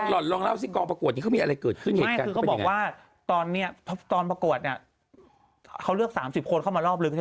ลองเล่าซิบูรณ์กองประกวดนี้ก็มีอะไรเกิด